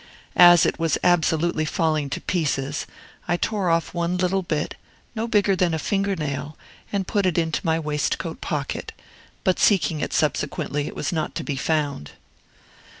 As it was absolutely falling to pieces, I tore off one little bit, no bigger than a finger nail, and put it into my waistcoat pocket; but seeking it subsequently, it was not to be found.